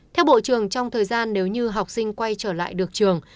theo bộ trường trong thời gian nếu như học sinh quay trở lại được trường